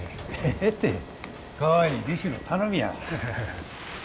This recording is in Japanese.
ええてかわいい弟子の頼みや。